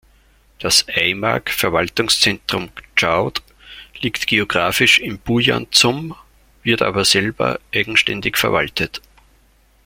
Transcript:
Das Aimag-Verwaltungszentrum Chowd liegt geographisch im Bujant-Sum, wird aber selber eigenständig verwaltet.